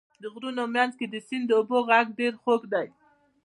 د غرونو منځ کې د سیند اوبو غږ ډېر خوږ دی.